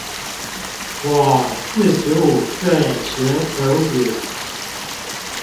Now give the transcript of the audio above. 我四十五歲學存股